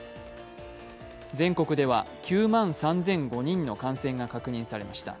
全国では９万３００５人の感染が確認されました。